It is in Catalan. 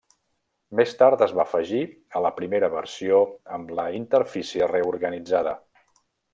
Més tard es va afegir la primera versió amb la interfície reorganitzada.